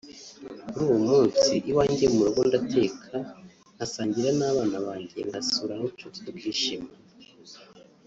Kuri uwo munsi iwanjye mu rugo ndateka nkasangira n’abana banjye ngasura n’inshuti tukishimana